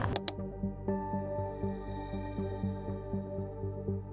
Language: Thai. ร้องไห้ในการร้องไห้